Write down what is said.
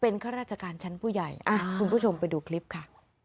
ข้าราชการชั้นผู้ใหญ่คุณผู้ชมไปดูคลิปค่ะ